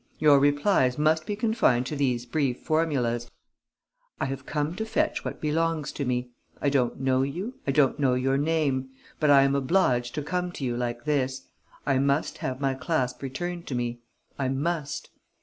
Your replies must be confined to these brief formulas: "'I have come to fetch what belongs to me. I don't know you, I don't know your name; but I am obliged to come to you like this. I must have my clasp returned to me. I must.'